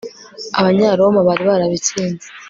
abanyaroma bari barabitsinze